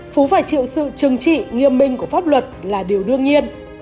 phú phải chịu sự trừng trị nghiêm minh của pháp luật là điều đương nhiên